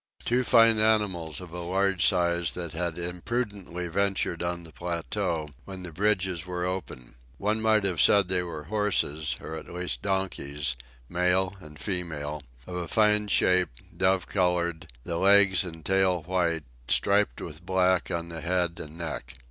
Two fine animals of a large size that had imprudently ventured on the plateau, when the bridges were open. One would have said they were horses, or at least donkeys, male and female, of a fine shape, dove colored, the legs and tail white, striped with black on the head and neck.